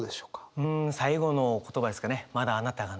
うん最後の言葉ですかね。